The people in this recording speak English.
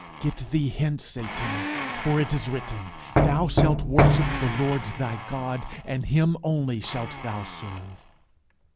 "Get thee hence, Satan: for it is written, Thou shalt worship the Lord thy God, and him only shalt thou serve."